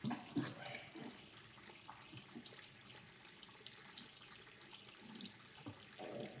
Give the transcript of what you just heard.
Like her husband, Wanda held firmly liberal political views.